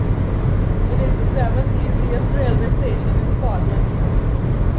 It is the seventh busiest railway station in Scotland.